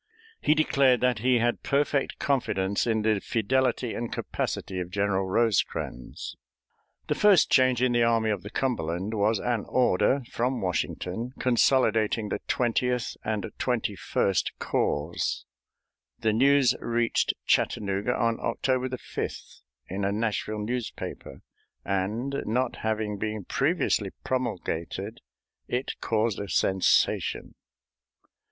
He declared that he had perfect confidence in the fidelity and capacity of General Rosecrans. The first change in the Army of the Cumberland was an order from Washington consolidating the Twentieth and Twenty first Corps. The news reached Chattanooga on October 5th in a Nashville newspaper, and, not having been previously promulgated, it caused a sensation.